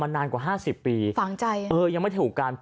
บ่อยมากตอนเรียน